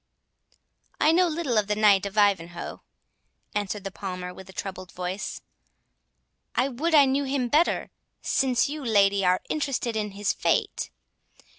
"I know little of the Knight of Ivanhoe," answered the Palmer, with a troubled voice. "I would I knew him better, since you, lady, are interested in his fate.